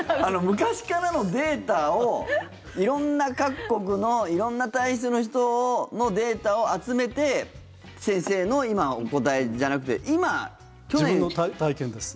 昔からのデータを色んな各国の色んな体質の人のデータを集めて先生の今、お答えじゃなくて自分の体験です。